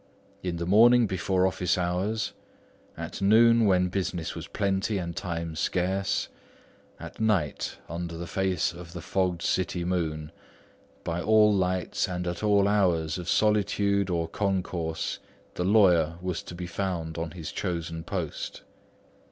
In the morning before office hours, at noon when business was plenty and time scarce, at night under the face of the fogged city moon, by all lights and at all hours of solitude or concourse, the lawyer was to be found on his chosen post.